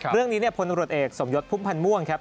เรื่องนี้เนี่ยผลรวจเอกสมยดภุมภัณฑ์ม่วงครับ